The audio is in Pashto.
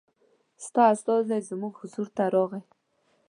ستا استازی زموږ حضور ته راغی.